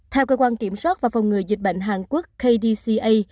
theo cơ quan kiểm soát và phòng ngừa dịch bệnh hàn quốc kdca